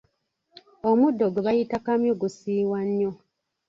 Omuddo gwe bayita kamyu gusiiwa nnyo.